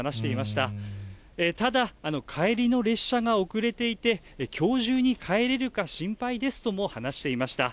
ただ、帰りの列車が遅れていて、きょう中に帰れるか心配ですとも話していました。